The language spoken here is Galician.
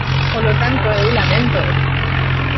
Polo tanto, eu laméntoo.